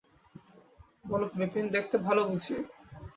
বল কী বিপিন, দেখতে ভালো বুঝি?